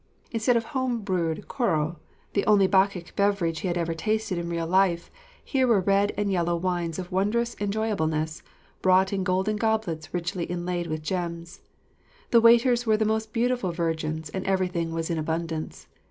Instead of home brewed cwrw, the only bacchic beverage he had ever tasted in real life, here were red and yellow wines of wondrous enjoyableness, brought in golden goblets richly inlaid with gems. The waiters were the most beautiful virgins, and everything was in abundance.